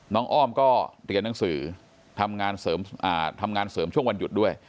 อ้อมก็เรียนหนังสือทำงานเสริมช่วงวันหยุดด้วย